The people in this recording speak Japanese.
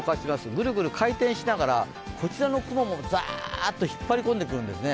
ぐるぐる回転しながら、こちらの雲も、ざーっと引っ張り込んでくるんですね。